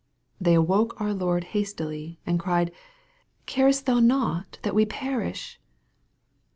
They awoke our Lord hastily, and cried, " Carest thou not that we perish